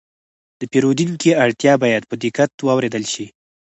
د پیرودونکي اړتیا باید په دقت واورېدل شي.